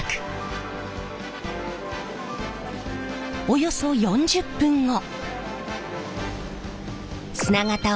およそ４０分後。